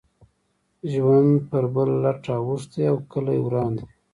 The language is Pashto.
ژوند پر بل لټ اوښتی او کلی وران دی.